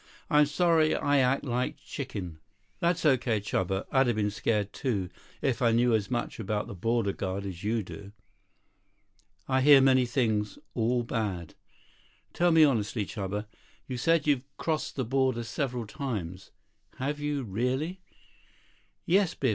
"I'm sorry I act like chicken." "That's okay, Chuba. I'd have been scared, too, if I knew as much about the border guard as you do." "I hear many things. All bad." "Tell me honestly, Chuba. You said you've crossed over several times. Have you, really?" "Yes, Biff.